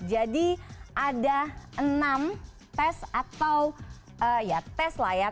jadi ada enam tes atau ya tes lah ya